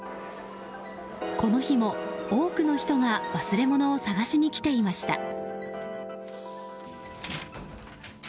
この日も多くの人が忘れ物を探しに来ていました。